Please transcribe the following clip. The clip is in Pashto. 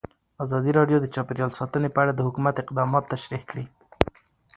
ازادي راډیو د چاپیریال ساتنه په اړه د حکومت اقدامات تشریح کړي.